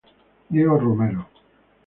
Diego Romero.